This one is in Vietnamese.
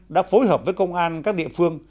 đã phối hợp với công an các địa phương